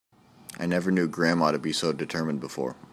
I never knew grandma to be so determined before.